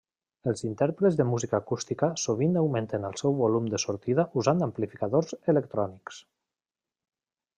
Els intèrprets de música acústica sovint augmenten el seu volum de sortida usant amplificadors electrònics.